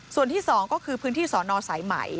ส่วนที่๒ก็คือพื้นที่สอนอสายไหม